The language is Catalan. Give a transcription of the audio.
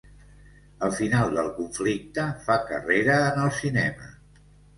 Al final del conflicte, fa carrera en el cinema.